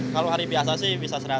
kalau hari biasa sih bisa seratus